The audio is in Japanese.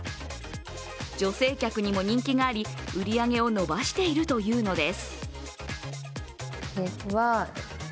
女性客にも人気があり、売り上げを伸ばしているというのです。